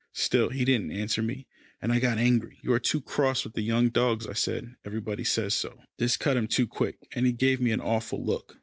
Still he didn't answer me, and I got angry. "You are too cross with the young dogs," I said. "Everybody says so." This cut him to the quick, and he gave me an awful look.